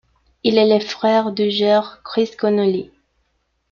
Il est le frère du joueur Chris Connolly.